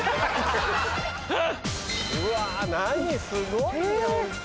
うわ何すごいねホント！